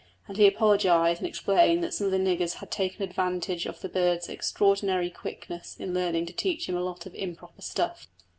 And he apologised and explained that some of the niggers had taken advantage of the bird's extraordinary quickness in learning to teach him a lot of improper stuff.